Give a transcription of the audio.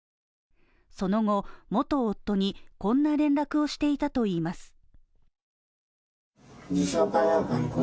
その後元夫にこんな連絡をしていたといいます。